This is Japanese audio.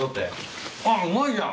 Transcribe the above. あっうまいじゃん。